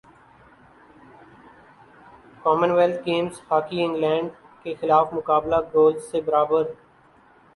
common wealth games hockey England کیخلاف مقابلہ goals سے برابر